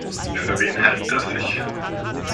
Für wen hält der sich?